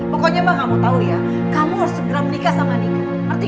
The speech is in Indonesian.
pokoknya mbak gak mau tahu ya kamu harus segera menikah sama andika